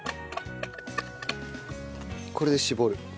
これで搾る。